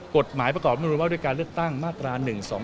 กฎหมายประกอบนุนว่าด้วยการเลือกตั้งมาตรา๑๒